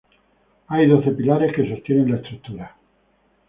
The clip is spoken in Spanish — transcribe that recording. Hay doce pilares que sostienen la estructura.